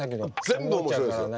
全部面白いですよ。